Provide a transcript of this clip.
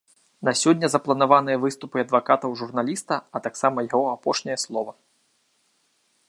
На сёння запланаваныя выступы адвакатаў журналіста, а таксама яго апошняе слова.